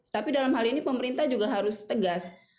tapi dalam hal ini pemerintah juga harus tegas